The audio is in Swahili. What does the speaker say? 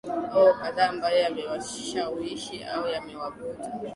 o kadhaa ambayo yamewashawishi au yamewavuta